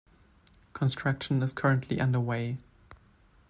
Construction is currently underway.